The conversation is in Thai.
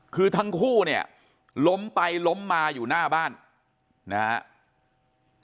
คือทั้งคู่เนี่ยล้มไปล้มมาอยู่หน้าบ้านนะครับ